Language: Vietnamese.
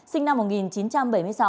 sinh năm một nghìn chín trăm bảy mươi sáu